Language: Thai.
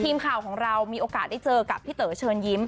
ทีมข่าวของเรามีโอกาสได้เจอกับพี่เต๋อเชิญยิ้ม